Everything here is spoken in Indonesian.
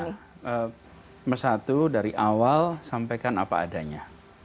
nomor satu dari awal sampaikan apa adanya